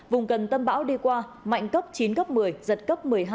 vùng gần tâm bão đi qua mạnh cấp chín cấp một mươi giật cấp một mươi hai